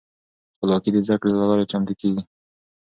خپلواکې د زده کړې له لارې چمتو کیږي.